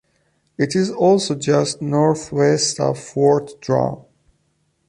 It is also just northwest of Fort Drum.